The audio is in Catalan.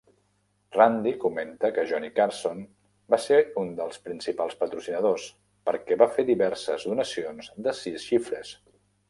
Randi comenta que Johnny Carson va ser un dels principals patrocinadors, perquè va fer diverses donacions de sis xifres.